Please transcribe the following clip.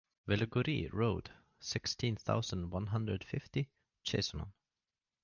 Villegoureix road, sixteen thousand one hundred fifty, Chassenon